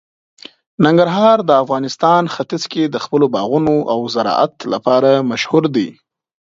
ننګرهار د افغانستان ختیځ کې د خپلو باغونو او زراعت لپاره مشهور دی.